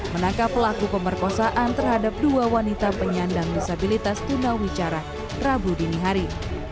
menangkap pelaku pemerkosaan terhadap dua wanita penyandang disabilitas tunawicara rabu dini hari